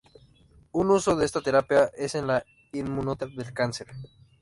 Un uso de esta terapia es en la inmunoterapia del cáncer.